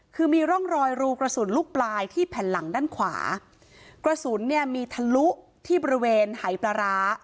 คือมีร่องรอยรูกระสุนลูกปลายที่แผ่นหลังด้านขวากระสุนเนี่ยมีทะลุที่บริเวณหายปลาร้า